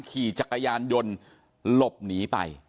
ขี่จักรยานยนต์หลบหนีไป